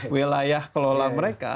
wilayah kelola mereka